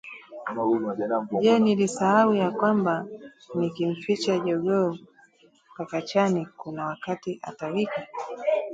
Je nilisahau ya kwamba, nikimficha jogoo pakachani kuna wakati atawika